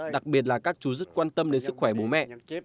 đặc biệt là các chú rất quan tâm đến sức khỏe bố mẹ